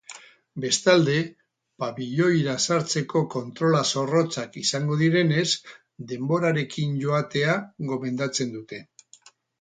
Bestalde, pabiloira sartzeko kontrolak zorrotzak izango direnez, denborarekin joatea gomendatzen dute.